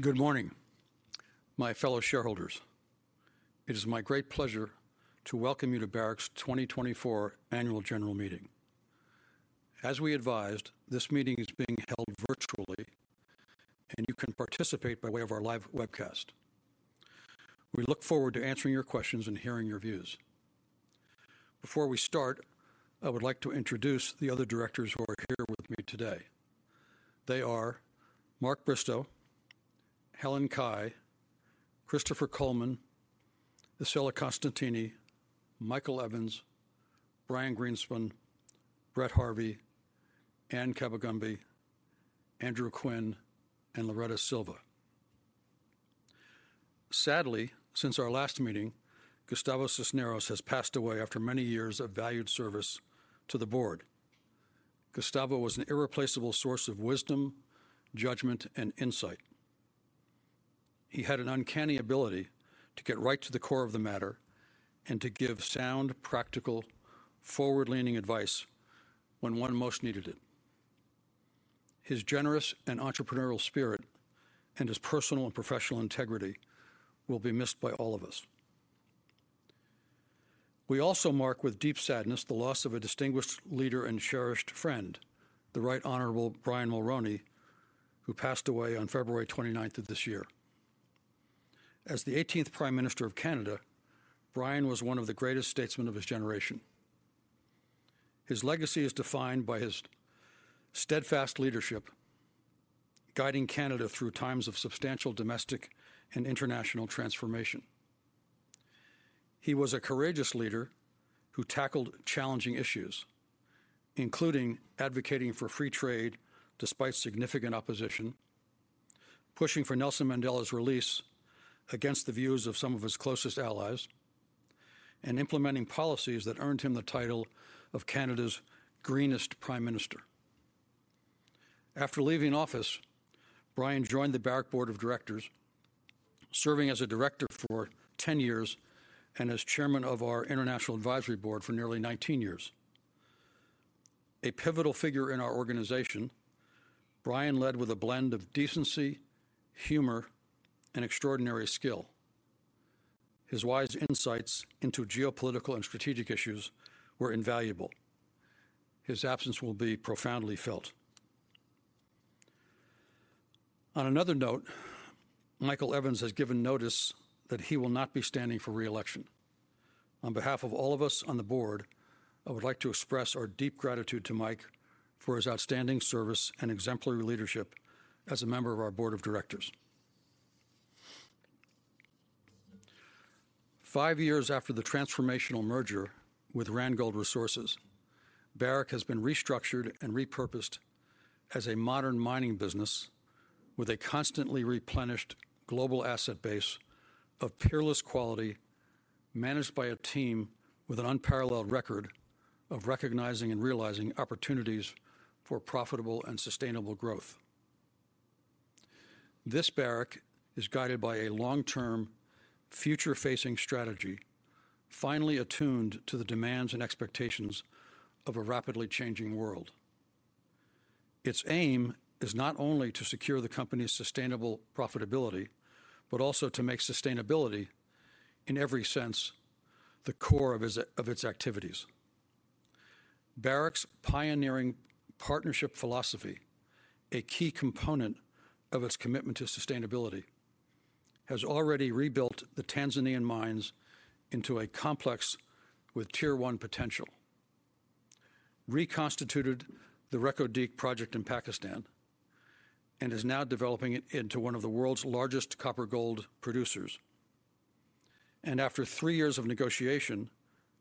Good morning, my fellow shareholders. It is my great pleasure to welcome you to Barrick's 2024 annual general meeting. As we advised, this meeting is being held virtually, and you can participate by way of our live webcast. We look forward to answering your questions and hearing your views. Before we start, I would like to introduce the other directors who are here with me today. They are Mark Bristow, Helen Cai, Christopher Coleman, Isela Costantini, Michael Evans, Brian Greenspan, Brett Harvey, Anne Kabagambe, Andrew Quinn, and Loreto Silva. Sadly, since our last meeting, Gustavo Cisneros has passed away after many years of valued service to the board. Gustavo was an irreplaceable source of wisdom, judgment, and insight. He had an uncanny ability to get right to the core of the matter and to give sound, practical, forward-leaning advice when one most needed it. His generous and entrepreneurial spirit and his personal and professional integrity will be missed by all of us. We also mark with deep sadness the loss of a distinguished leader and cherished friend, the Right Honorable Brian Mulroney, who passed away on February 29th of this year. As the 18th Prime Minister of Canada, Brian was one of the greatest statesmen of his generation. His legacy is defined by his steadfast leadership, guiding Canada through times of substantial domestic and international transformation. He was a courageous leader who tackled challenging issues, including advocating for free trade despite significant opposition, pushing for Nelson Mandela's release against the views of some of his closest allies, and implementing policies that earned him the title of Canada's greenest Prime Minister. After leaving office, Brian joined the Barrick Board of Directors, serving as a director for 10 years and as chairman of our International Advisory Board for nearly 19 years. A pivotal figure in our organization, Brian led with a blend of decency, humor, and extraordinary skill. His wise insights into geopolitical and strategic issues were invaluable. His absence will be profoundly felt. On another note, Michael Evans has given notice that he will not be standing for reelection. On behalf of all of us on the board, I would like to express our deep gratitude to Mike for his outstanding service and exemplary leadership as a member of our Board of Directors. Five years after the transformational merger with Randgold Resources, Barrick has been restructured and repurposed as a modern mining business with a constantly replenished global asset base of peerless quality, managed by a team with an unparalleled record of recognizing and realizing opportunities for profitable and sustainable growth. This Barrick is guided by a long-term, future-facing strategy, finely attuned to the demands and expectations of a rapidly changing world. Its aim is not only to secure the company's sustainable profitability but also to make sustainability, in every sense, the core of its activities. Barrick's pioneering partnership philosophy, a key component of its commitment to sustainability, has already rebuilt the Tanzanian mines into a complex with Tier One potential, reconstituted the Reko Diq project in Pakistan, and is now developing it into one of the world's largest copper-gold producers, and after three years of negotiation,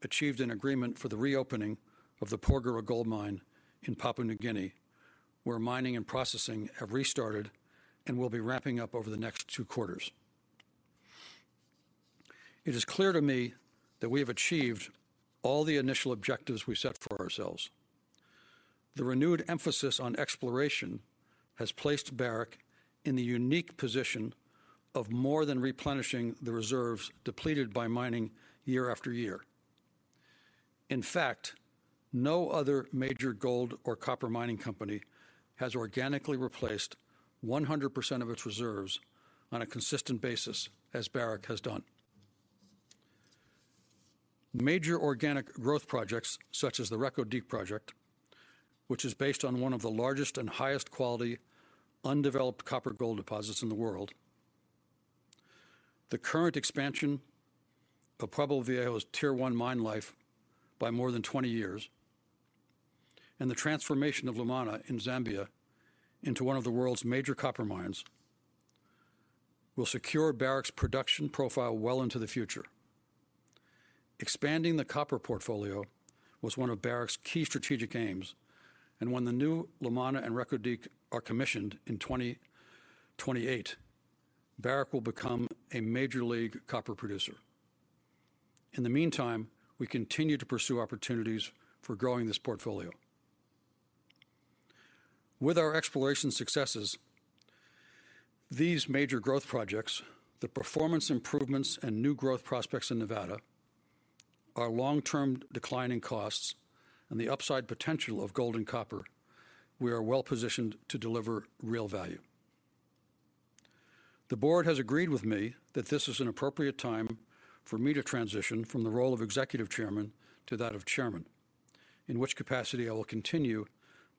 achieved an agreement for the reopening of the Porgera Gold Mine in Papua New Guinea, where mining and processing have restarted and will be ramping up over the next two quarters. It is clear to me that we have achieved all the initial objectives we set for ourselves. The renewed emphasis on exploration has placed Barrick in the unique position of more than replenishing the reserves depleted by mining year after year. In fact, no other major gold or copper mining company has organically replaced 100% of its reserves on a consistent basis, as Barrick has done. Major organic growth projects, such as the Reko Diq project, which is based on one of the largest and highest-quality, undeveloped copper-gold deposits in the world, the current expansion of Pueblo Viejo's Tier One mine life by more than 20 years, and the transformation of Lumwana in Zambia into one of the world's major copper mines, will secure Barrick's production profile well into the future. Expanding the copper portfolio was one of Barrick's key strategic aims, and when the new Lumwana and Reko Diq are commissioned in 2028, Barrick will become a Major League copper producer. In the meantime, we continue to pursue opportunities for growing this portfolio. With our exploration successes, these major growth projects, the performance improvements and new growth prospects in Nevada, our long-term declining costs, and the upside potential of gold and copper, we are well-positioned to deliver real value. The board has agreed with me that this is an appropriate time for me to transition from the role of Executive Chairman to that of Chairman, in which capacity I will continue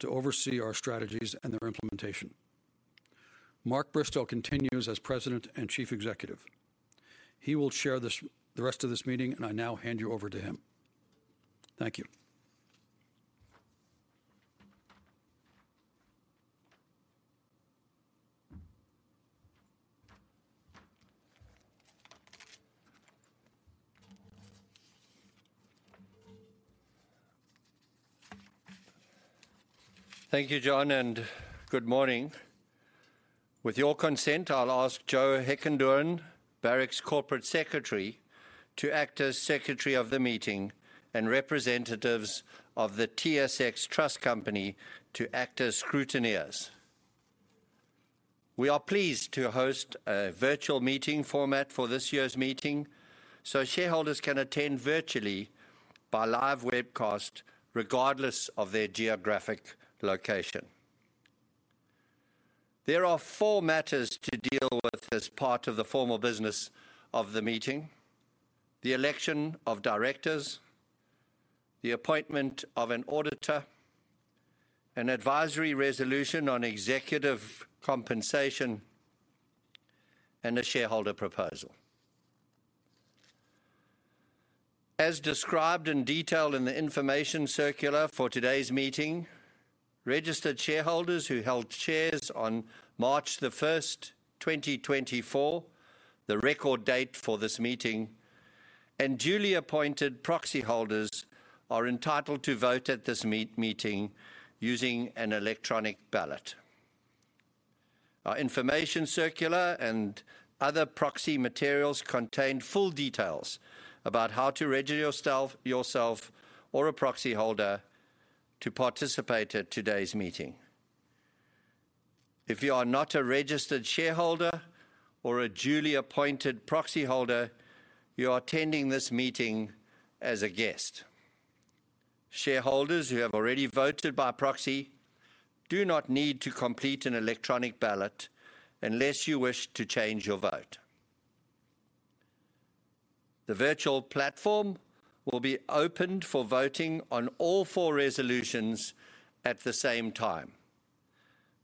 to oversee our strategies and their implementation. Mark Bristow continues as President and Chief Executive. He will share the rest of this meeting, and I now hand you over to him. Thank you. Thank you, John, and good morning. With your consent, I'll ask Jo Heckendoorn, Barrick's Corporate Secretary, to act as Secretary of the Meeting, and representatives of the TSX Trust Company to act as scrutineers. We are pleased to host a virtual meeting format for this year's meeting, so shareholders can attend virtually by live webcast regardless of their geographic location. There are four matters to deal with as part of the formal business of the meeting: the election of directors, the appointment of an auditor, an advisory resolution on executive compensation, and a shareholder proposal. As described in detail in the information circular for today's meeting, registered shareholders who held shares on March 1st, 2024, the record date for this meeting, and duly appointed proxy holders are entitled to vote at this meeting using an electronic ballot. Our information circular and other proxy materials contain full details about how to register yourself or a proxy holder to participate at today's meeting. If you are not a registered shareholder or a duly appointed proxy holder, you are attending this meeting as a guest. Shareholders who have already voted by proxy do not need to complete an electronic ballot unless you wish to change your vote. The virtual platform will be opened for voting on all four resolutions at the same time.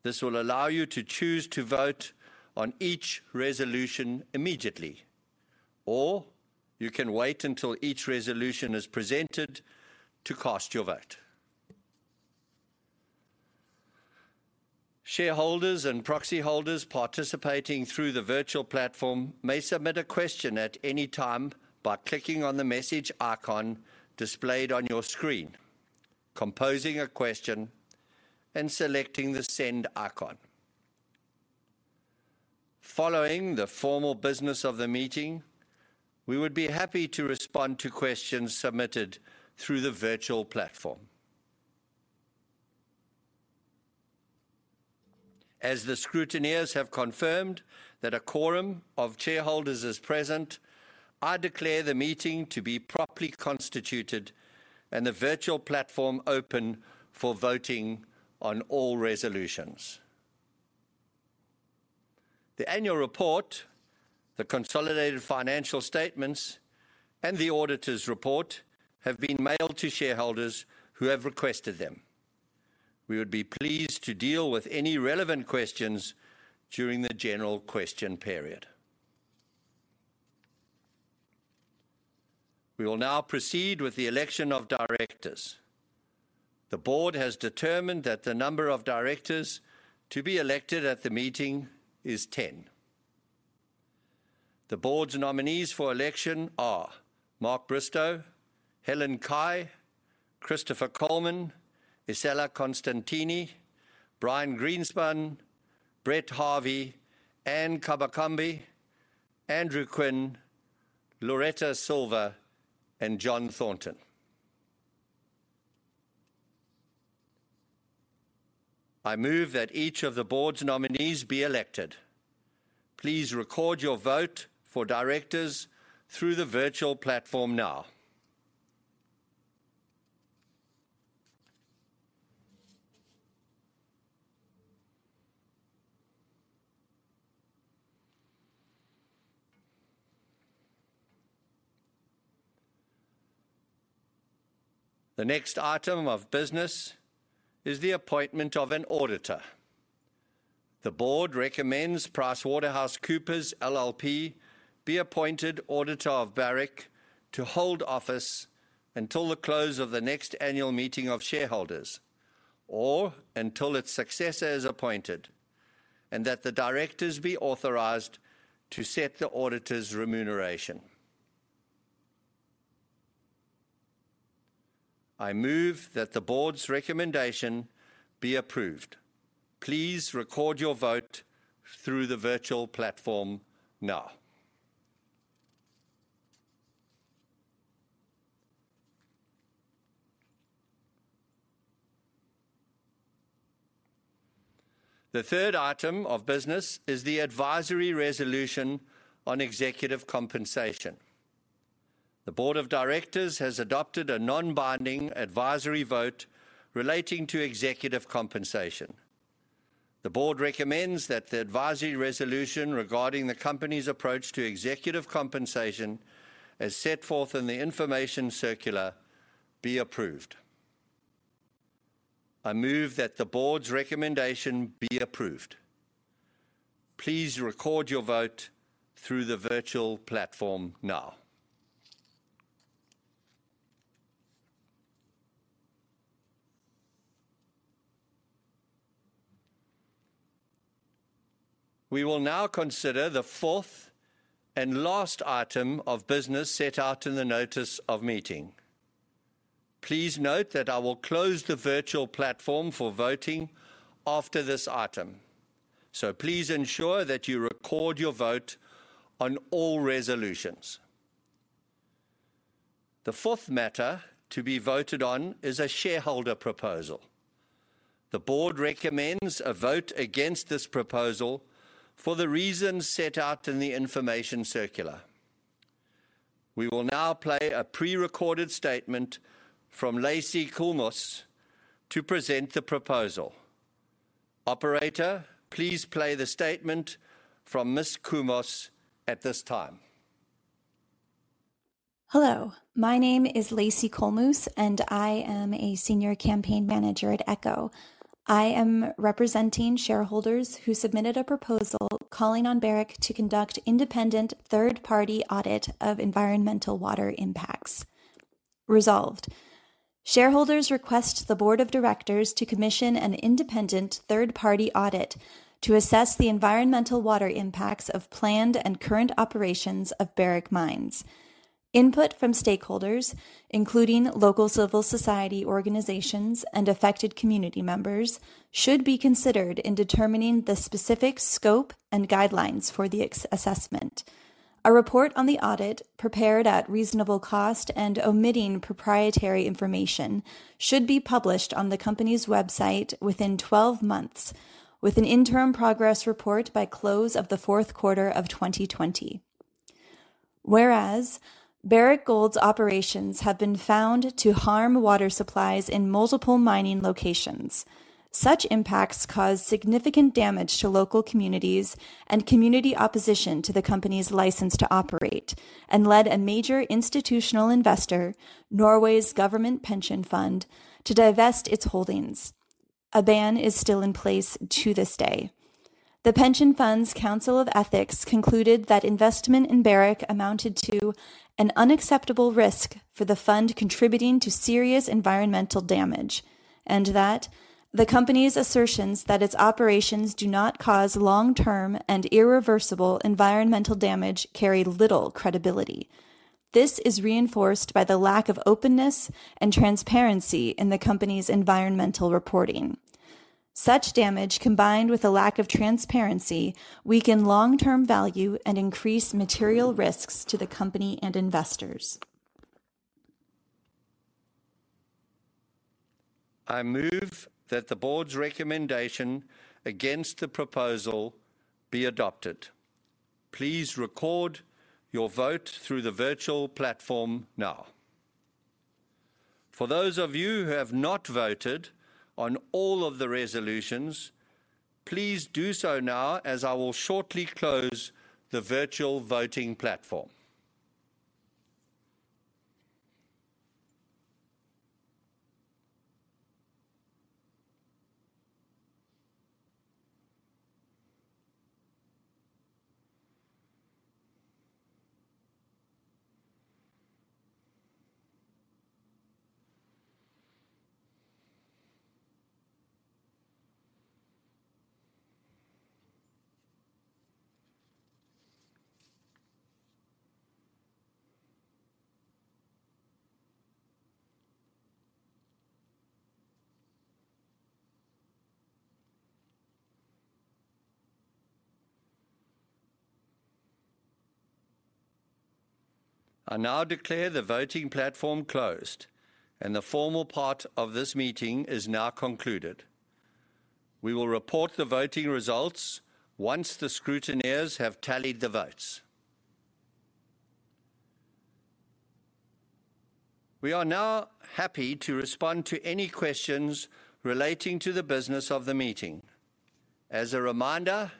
This will allow you to choose to vote on each resolution immediately, or you can wait until each resolution is presented to cast your vote. Shareholders and proxy holders participating through the virtual platform may submit a question at any time by clicking on the message icon displayed on your screen, composing a question, and selecting the Send icon. Following the formal business of the meeting, we would be happy to respond to questions submitted through the virtual platform. As the scrutineers have confirmed that a quorum of shareholders is present, I declare the meeting to be properly constituted and the virtual platform open for voting on all resolutions. The annual report, the consolidated financial statements, and the auditor's report have been mailed to shareholders who have requested them. We would be pleased to deal with any relevant questions during the general question period. We will now proceed with the election of directors. The board has determined that the number of directors to be elected at the meeting is 10. The board's nominees for election are Mark Bristow, Helen Cai, Christopher Coleman, Isela Costantini, Brian Greenspan, Brett Harvey, Anne Kabagambe, Andrew Quinn, Loreto Silva, and John Thornton. I move that each of the board's nominees be elected. Please record your vote for directors through the virtual platform now. The next item of business is the appointment of an auditor. The board recommends PricewaterhouseCoopers LLP be appointed auditor of Barrick to hold office until the close of the next annual meeting of shareholders, or until its successor is appointed, and that the directors be authorized to set the auditor's remuneration. I move that the board's recommendation be approved. Please record your vote through the virtual platform now. The third item of business is the advisory resolution on executive compensation. The board of directors has adopted a non-binding advisory vote relating to executive compensation. The board recommends that the advisory resolution regarding the company's approach to executive compensation, as set forth in the information circular, be approved. I move that the board's recommendation be approved. Please record your vote through the virtual platform now. We will now consider the fourth and last item of business set out in the notice of meeting. Please note that I will close the virtual platform for voting after this item, so please ensure that you record your vote on all resolutions. The fourth matter to be voted on is a shareholder proposal. The board recommends a vote against this proposal for the reasons set out in the information circular. We will now play a prerecorded statement from Lacey Kohlmoos to present the proposal. Operator, please play the statement from Ms. Kohlmoos at this time. Hello. My name is Lacey Kohlmoos, and I am a Senior Campaign Manager at Ekō. I am representing shareholders who submitted a proposal calling on Barrick to conduct independent third-party audit of environmental water impacts. Resolved. Shareholders request the board of directors to commission an independent third-party audit to assess the environmental water impacts of planned and current operations of Barrick Mines. Input from stakeholders, including local civil society organizations and affected community members, should be considered in determining the specific scope and guidelines for the assessment. A report on the audit, prepared at reasonable cost and omitting proprietary information, should be published on the company's website within 12 months, with an interim progress report by close of the fourth quarter of 2020. Whereas Barrick Gold's operations have been found to harm water supplies in multiple mining locations, such impacts caused significant damage to local communities and community opposition to the company's license to operate, and led a major institutional investor, Norway's Government Pension Fund, to divest its holdings. A ban is still in place to this day. The Pension Fund's Council of Ethics concluded that investment in Barrick amounted to "an unacceptable risk for the fund contributing to serious environmental damage," and that "the company's assertions that its operations do not cause long-term and irreversible environmental damage carry little credibility." This is reinforced by the lack of openness and transparency in the company's environmental reporting. Such damage, combined with a lack of transparency, weaken long-term value and increase material risks to the company and investors. I move that the board's recommendation against the proposal be adopted. Please record your vote through the virtual platform now. For those of you who have not voted on all of the resolutions, please do so now, as I will shortly close the virtual voting platform. I now declare the voting platform closed, and the formal part of this meeting is now concluded. We will report the voting results once the scrutineers have tallied the votes. We are now happy to respond to any questions relating to the business of the meeting. As a reminder,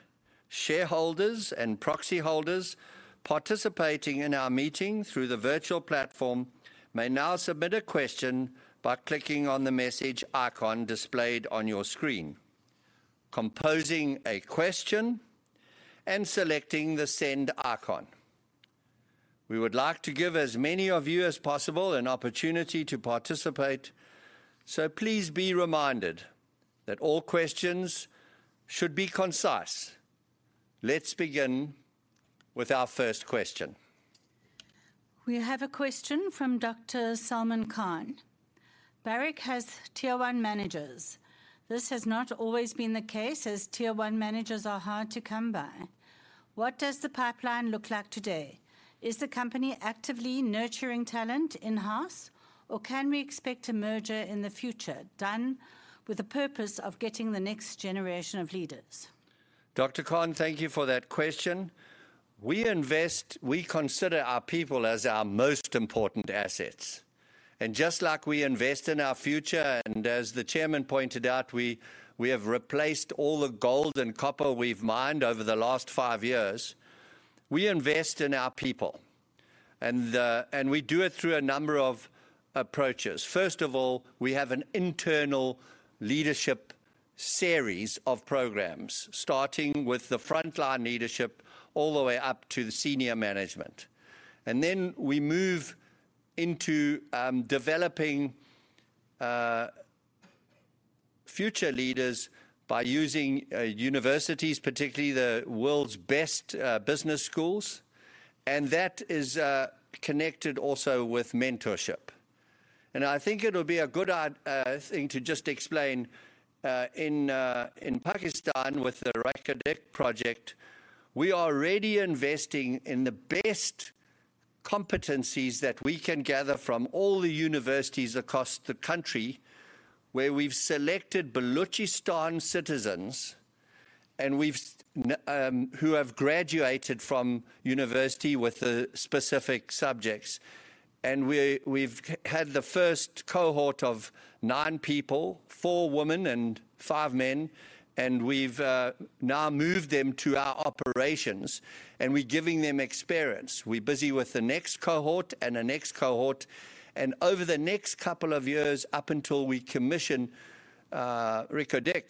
shareholders and proxy holders participating in our meeting through the virtual platform may now submit a question by clicking on the message icon displayed on your screen, composing a question, and selecting the Send icon. We would like to give as many of you as possible an opportunity to participate, so please be reminded that all questions should be concise. Let's begin with our first question. We have a question from Dr. Salman Khan. Barrick has Tier One managers. This has not always been the case, as Tier One managers are hard to come by. What does the pipeline look like today? Is the company actively nurturing talent in-house, or can we expect a merger in the future done with the purpose of getting the next generation of leaders? Dr. Khan, thank you for that question. We invest, we consider our people as our most important assets. And just like we invest in our future, and as the chairman pointed out, we have replaced all the gold and copper we've mined over the last five years, we invest in our people. And we do it through a number of approaches. First of all, we have an internal leadership series of programs, starting with the frontline leadership all the way up to the senior management. And then we move into developing future leaders by using universities, particularly the world's best business schools, and that is connected also with mentorship. I think it'll be a good thing to just explain: in Pakistan, with the Reko Diq project, we are already investing in the best competencies that we can gather from all the universities across the country, where we've selected Balochistan citizens who have graduated from university with specific subjects. And we've had the first cohort of nine people, four women and five men, and we've now moved them to our operations, and we're giving them experience. We're busy with the next cohort and the next cohort, and over the next couple of years, up until we commission Reko Diq,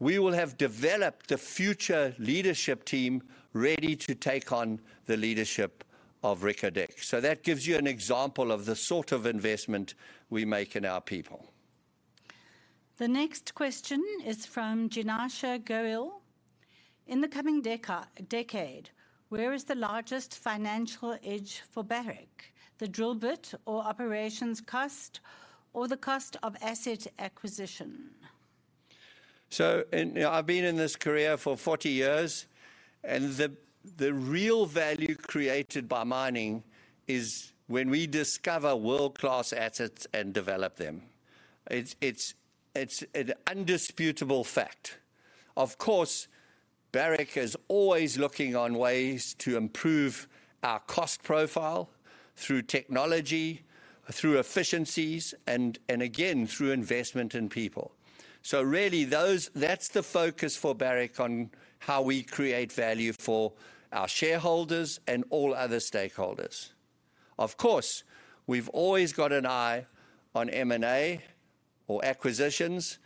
we will have developed a future leadership team ready to take on the leadership of Reko Diq. So that gives you an example of the sort of investment we make in our people. The next question is from Jinasha Goyil. In the coming decade, where is the largest financial edge for Barrick: the drill bit, or operations cost, or the cost of asset acquisition? So I've been in this career for 40 years, and the real value created by mining is when we discover world-class assets and develop them. It's an indisputable fact. Of course, Barrick is always looking on ways to improve our cost profile through technology, through efficiencies, and again, through investment in people. So really, that's the focus for Barrick on how we create value for our shareholders and all other stakeholders. Of course, we've always got an eye on M&A or acquisitions,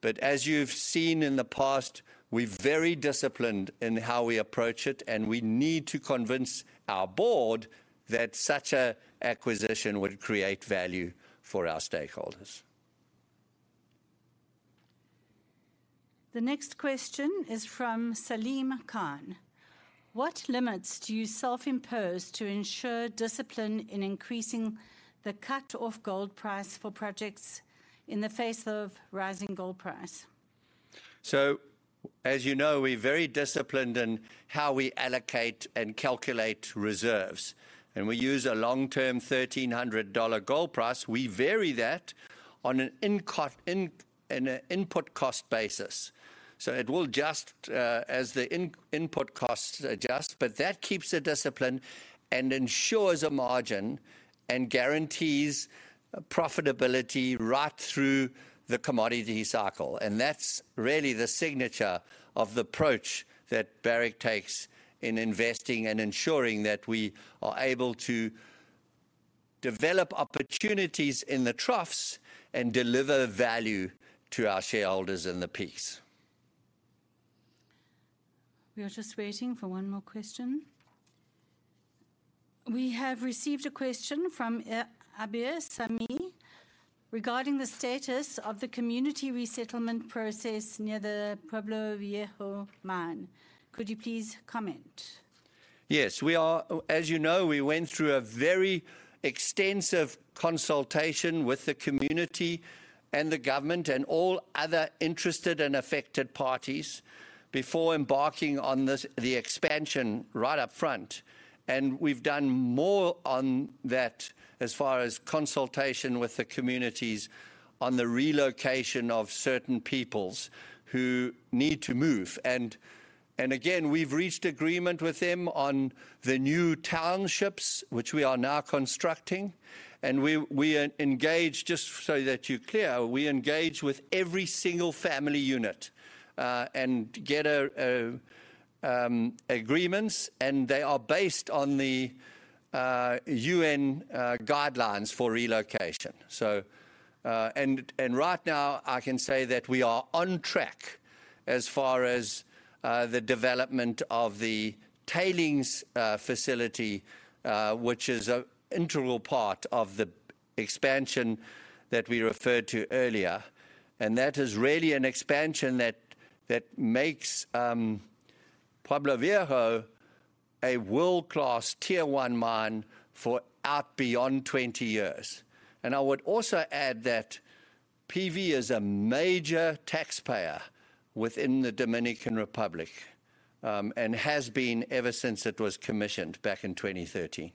but as you've seen in the past, we're very disciplined in how we approach it, and we need to convince our board that such an acquisition would create value for our stakeholders. The next question is from Salim Khan. What limits do you self-impose to ensure discipline in increasing the cut-off gold price for projects in the face of rising gold price? As you know, we're very disciplined in how we allocate and calculate reserves. We use a long-term $1,300 gold price. We vary that on an input cost basis. It will adjust as the input costs adjust, but that keeps the discipline and ensures a margin and guarantees profitability right through the commodity cycle. That's really the signature of the approach that Barrick takes in investing and ensuring that we are able to develop opportunities in the troughs and deliver value to our shareholders in the peaks. We are just waiting for one more question. We have received a question from Abir Sami regarding the status of the community resettlement process near the Pueblo Viejo Mine. Could you please comment? Yes. As you know, we went through a very extensive consultation with the community and the government and all other interested and affected parties before embarking on the expansion right up front. And we've done more on that as far as consultation with the communities on the relocation of certain peoples who need to move. And again, we've reached agreement with them on the new townships, which we are now constructing. And we engage, just so that you're clear, we engage with every single family unit and get agreements, and they are based on the UN guidelines for relocation. And right now, I can say that we are on track as far as the development of the tailings facility, which is an integral part of the expansion that we referred to earlier. That is really an expansion that makes Pueblo Viejo a world-class Tier One mine for out beyond 20 years. I would also add that PV is a major taxpayer within the Dominican Republic and has been ever since it was commissioned back in 2013.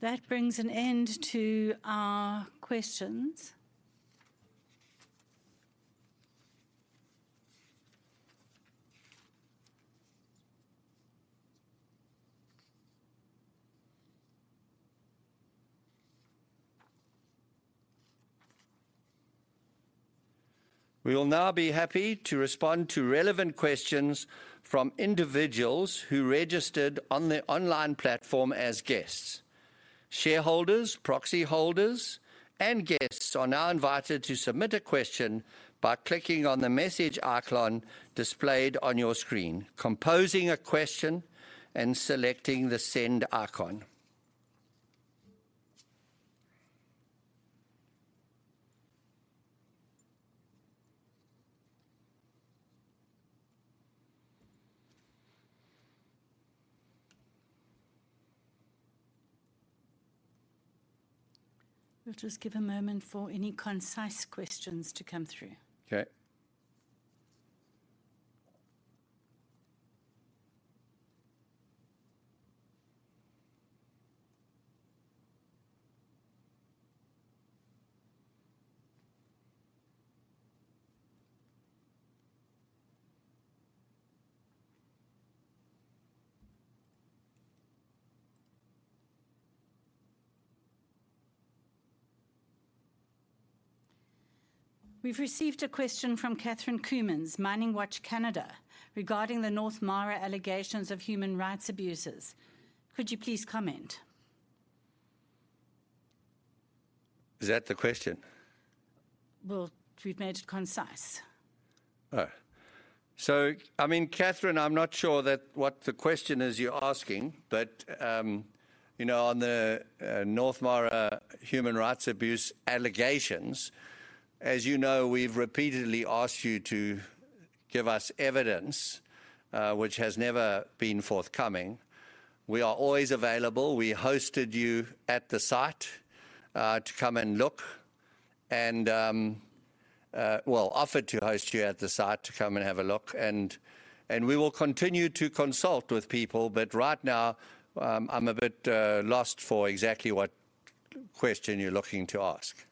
That brings an end to our questions. We will now be happy to respond to relevant questions from individuals who registered on the online platform as guests. Shareholders, proxy holders, and guests are now invited to submit a question by clicking on the message icon displayed on your screen, composing a question, and selecting the Send icon. We'll just give a moment for any concise questions to come through. Okay. We've received a question from Catherine Coumans, MiningWatch Canada, regarding the North Mara allegations of human rights abusers. Could you please comment? Is that the question? Well, we've made it concise. All right. So, I mean, Catherine, I'm not sure what the question is you're asking, but on the North Mara human rights abuse allegations, as you know, we've repeatedly asked you to give us evidence, which has never been forthcoming. We are always available. We hosted you at the site to come and look and, well, offered to host you at the site to come and have a look. And we will continue to consult with people, but right now, I'm a bit lost for exactly what question you're looking to ask.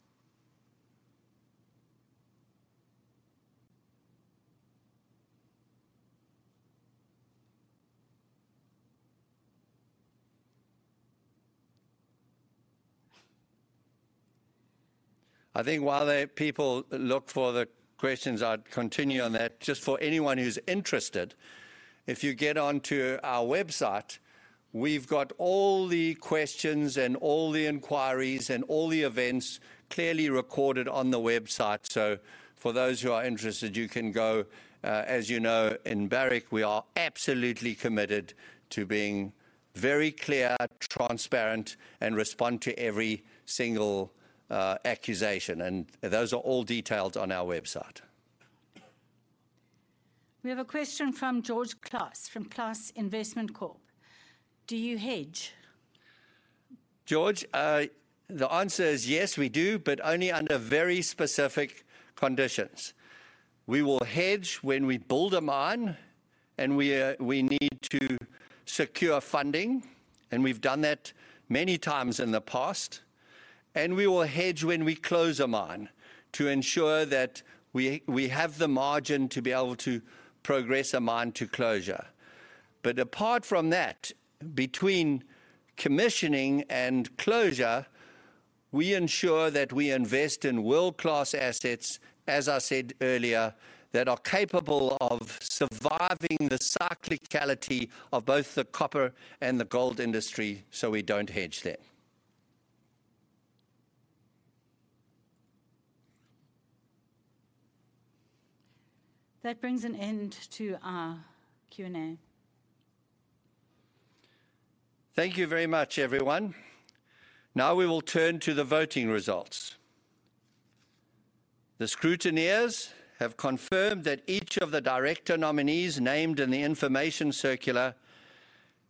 I think while people look for the questions, I'll continue on that. Just for anyone who's interested, if you get onto our website, we've got all the questions and all the inquiries and all the events clearly recorded on the website. So for those who are interested, you can go. As you know, in Barrick, we are absolutely committed to being very clear, transparent, and respond to every single accusation. Those are all detailed on our website. We have a question from George Klass from Klass Investment Corp. Do you hedge? George, the answer is yes, we do, but only under very specific conditions. We will hedge when we build a mine and we need to secure funding, and we've done that many times in the past. We will hedge when we close a mine to ensure that we have the margin to be able to progress a mine to closure. But apart from that, between commissioning and closure, we ensure that we invest in world-class assets, as I said earlier, that are capable of surviving the cyclicality of both the copper and the gold industry, so we don't hedge them. That brings an end to our Q&A. Thank you very much, everyone. Now we will turn to the voting results. The scrutineers have confirmed that each of the director nominees named in the information circular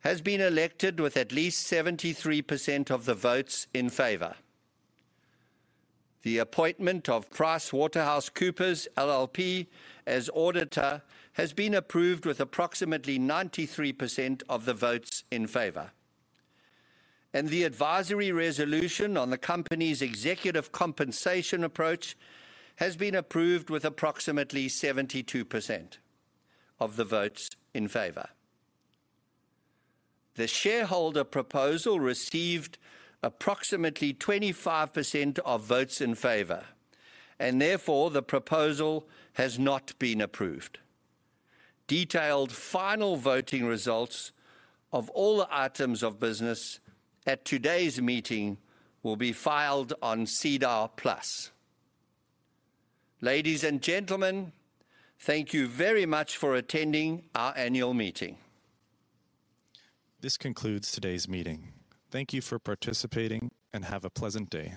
has been elected with at least 73% of the votes in favor. The appointment of PricewaterhouseCoopers LLP as auditor has been approved with approximately 93% of the votes in favor. The advisory resolution on the company's executive compensation approach has been approved with approximately 72% of the votes in favor. The shareholder proposal received approximately 25% of votes in favor, and therefore, the proposal has not been approved. Detailed final voting results of all the items of business at today's meeting will be filed on SEDAR+. Ladies and gentlemen, thank you very much for attending our annual meeting. This concludes today's meeting. Thank you for participating, and have a pleasant day.